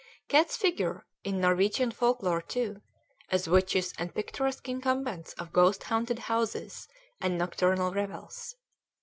Cats figure in Norwegian folk lore, too, as witches and picturesque incumbents of ghost haunted houses and nocturnal revels.